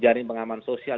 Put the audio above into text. jaring pengaman sosial